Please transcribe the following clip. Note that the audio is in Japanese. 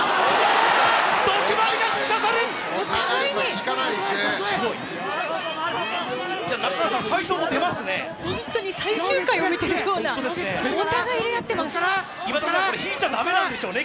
お互いに引かないですね。